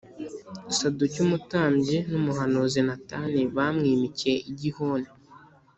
Sadoki umutambyi n’umuhanuzi Natani bamwimikiye i Gihoni